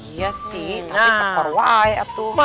iya sih tapi teper lah